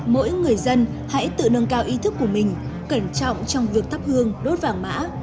mỗi người dân hãy tự nâng cao ý thức của mình cẩn trọng trong việc thắp hương đốt vàng mã